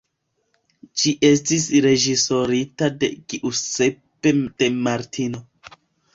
Ĝi estis reĝisorita de Giuseppe De Martino.